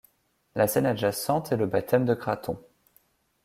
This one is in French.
La scène adjacente est le baptême de Craton.